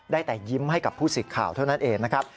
ได้แต่ยิ้มให้กับผู้สิทธิ์ข่าวเท่านั้นเองนะครับ